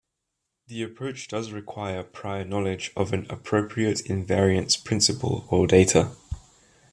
The approach does require prior knowledge of an appropriate invariance principle or data.